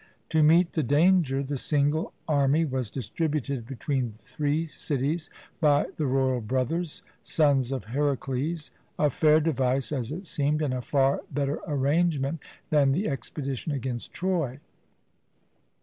To meet the danger the single army was distributed between three cities by the royal brothers, sons of Heracles, a fair device, as it seemed, and a far better arrangement than the expedition against Troy.